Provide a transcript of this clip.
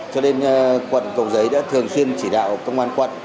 cho nên quận cầu giấy đã thường xuyên chỉ đạo công an quận